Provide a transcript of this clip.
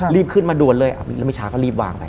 รีบขึ้นมาด่วนเลยแล้วมิชาก็รีบวางไป